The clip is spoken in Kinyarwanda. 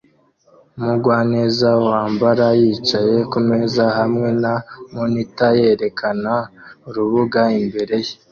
Umugwaneza wamabara yicaye kumeza hamwe na monitor yerekana urubuga imbere ye